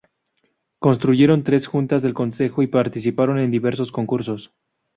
Construyeron tres juntas del consejo y participaron en diversos concursos.